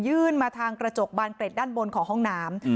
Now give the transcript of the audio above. มาทางกระจกบานเกร็ดด้านบนของห้องน้ำ